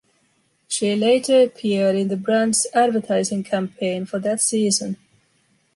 She later appeared in the brand’s advertising campaign for that season.